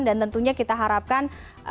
dan tentunya kita harapkan